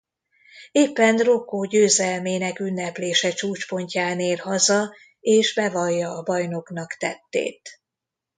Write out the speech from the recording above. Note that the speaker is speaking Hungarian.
Éppen Rocco győzelmének ünneplése csúcspontján ér haza és bevallja a bajnoknak tettét.